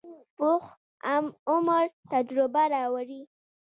پوخ عمر تجربه راوړي